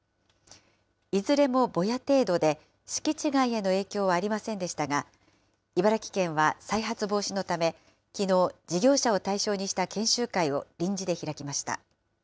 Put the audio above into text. いずれもぼや程度で、敷地外への影響はありませんでしたが、茨城県は再発防止のため、きのう、事業者を対象にした研修会を臨時で開きました。